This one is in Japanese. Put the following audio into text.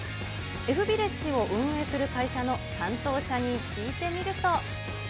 Ｆビレッジを運営する会社の担当者に聞いてみると。